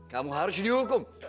kamu harus dihukum